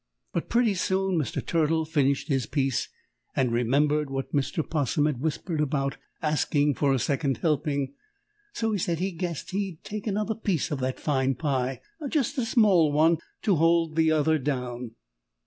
But pretty soon Mr. Turtle finished his piece and remembered what Mr. 'Possum had whispered about asking for a second helping. So he said he guessed he'd take another piece of that fine pie just a small one to hold the other down.